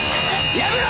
やめろ！